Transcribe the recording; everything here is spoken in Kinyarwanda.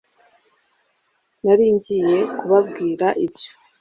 Nari ngiye kubabwira ibyo